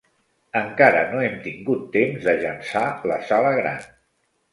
Encara no hem tingut temps d'agençar la sala gran.